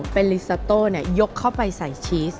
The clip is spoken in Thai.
เป็นลิซาโต้ยกเข้าไปใส่ชีส